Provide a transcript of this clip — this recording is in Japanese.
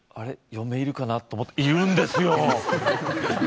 嫁いるかな？と思ったらいるんですよ